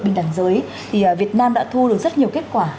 bình đẳng giới thì việt nam đã thu được rất nhiều kết quả